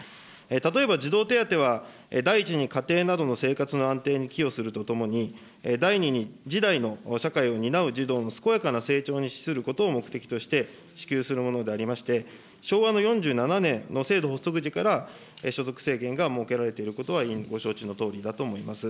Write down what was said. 例えば児童手当は、第１に家庭などの生活の安定に寄与するとともに、第２に次代の社会を担う児童の健やかな成長に資することを目的として支給するものでありまして、昭和の４７年の制度発足時から、所得制限が設けられていることは委員ご承知のとおりだと思います。